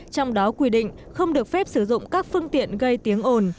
trong đó quy định không được phép sử dụng các phương tiện gây tiếng ồn